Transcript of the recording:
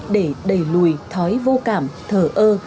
để đẩy lùi thói vô cảm thở ơ